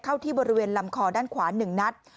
เข้าที่บริเวณลำคอด้านขวา๑นัด